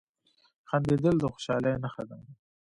• خندېدل د خوشحالۍ نښه ده.